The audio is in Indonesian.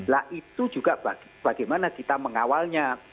lah itu juga bagaimana kita mengawalnya